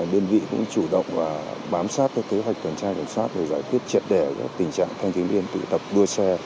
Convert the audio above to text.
đơn vị cũng chủ động và bám sát kế hoạch tuần tra tuần sát để giải quyết triệt đẻ tình trạng thanh thiếu liên tụ tập đua xe